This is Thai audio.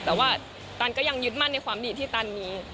แต่ว่าตันก็ยังยึดมั่นในความดีที่ตันมี